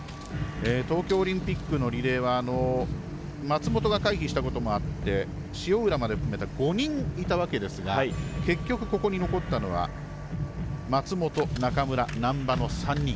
東京オリンピックのリレーは松元が回避したことによって塩浦まで含めて５人いたわけですけど結局、ここに残ったのが松元、中村難波の３人。